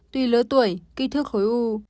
tuy lỡ tuổi kỹ thước khối u